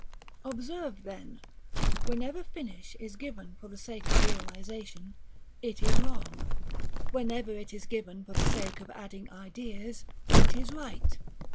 Observe, then, whenever finish is given for the sake of realization, it is wrong; whenever it is given for the sake of adding ideas it is right.